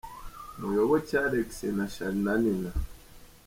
Muyoboke Alex na Charly na Nina